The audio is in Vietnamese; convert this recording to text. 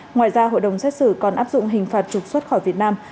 ngoài ra hội đồng xét xử còn áp dụng hình phạt trục xuất khỏi việt nam